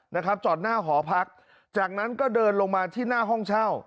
นะครับจอดหน้าหอพักจากนั้นก็เดินลงมาที่หน้าห้องเช่า